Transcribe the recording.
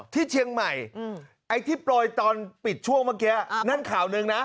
ที่เชียงใหม่ไอ้ที่โปรยตอนปิดช่วงเมื่อกี้นั่นข่าวหนึ่งนะ